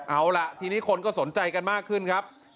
เอาล่ะทีนี้คนก็สนใจกันมากขึ้นครับ